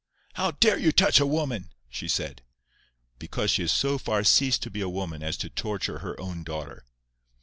"How dare you touch a woman?" she said. "Because she has so far ceased to be a woman as to torture her own daughter."